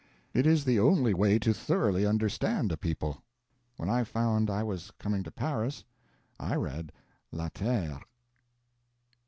It is the only way to thoroughly understand a people. When I found I was coming to Paris, I read 'La Terre'.